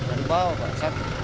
dari bawah pak satu